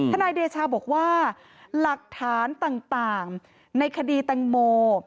นายเดชาบอกว่าหลักฐานต่างในคดีแตงโม